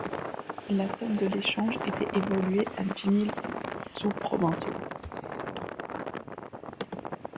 La somme de l'échange était évalué à dix mille sous provençaux.